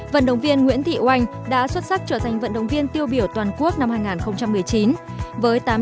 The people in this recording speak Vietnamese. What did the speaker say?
vận động viên nguyễn thị oanh đã xuất sắc trở thành vận động viên tiêu biểu toàn quốc năm hai nghìn một mươi chín